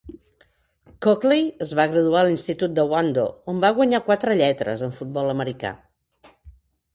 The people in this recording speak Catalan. Coakley es va graduar a l'institut de Wando, on va guanyar quatre lletres en futbol americà.